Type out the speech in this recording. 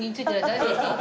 大丈夫ですか？